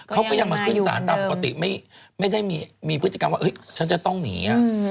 เขาก็ยังมาขึ้นศาลตามปกติไม่ได้มีพฤติกรรมว่าฉันจะต้องหนี